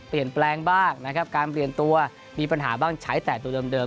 เปลี่ยนแปลงบ้างนะครับการเปลี่ยนตัวมีปัญหาบ้างใช้แต่ตัวเดิม